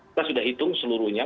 kita sudah hitung seluruhnya